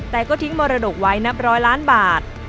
แต่ก็ทิ้งมรดกไว้นับร้อยล้านบาท